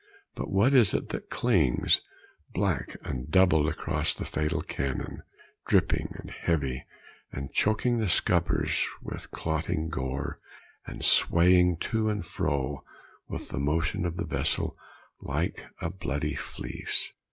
But what is it that clings, black and doubled, across the fatal cannon, dripping and heavy, and choking the scuppers with clotting gore, and swaying to and fro with the motion of the vessel, like a bloody fleece?